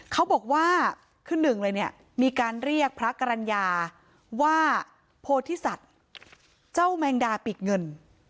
เขาบอกว่าคือหนึ่งเลยเนี่ยมีการเรียกพระกรรณญาว่าโพธิสัตว์เจ้าแมงดาปิดเงิน